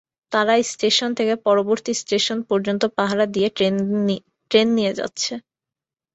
তারা স্টেশন থেকে পরবর্তী স্টেশন পর্যন্ত পাহারা দিয়ে ট্রেন নিয়ে যাচ্ছে।